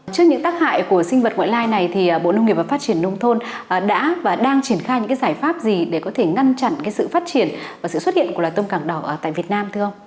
trước những tác hại của sinh vật ngoại lai này thì bộ nông nghiệp và phát triển nông thôn đã và đang triển khai những giải pháp gì để có thể ngăn chặn sự phát triển và sự xuất hiện của loài tôm càng đỏ tại việt nam thưa ông